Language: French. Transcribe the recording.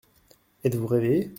Êtes-vous réveillé ?